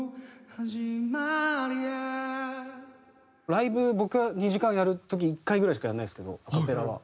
ライブ僕は２時間やる時１回ぐらいしかやらないですけどアカペラは。